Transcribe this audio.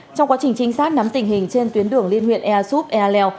trong quá trình chính xác nắm tình hình trên tuyến đường liên huyện ea súp ea lèo